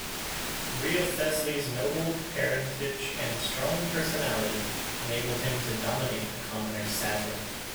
Wriothesley's noble parentage and strong personality enabled him to dominate the commoner Sadler.